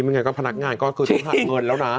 ไม่งั้นพนักงานก็ต้องหาเงินแล้วนะ